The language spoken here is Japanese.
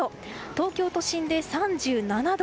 東京都心で３７度。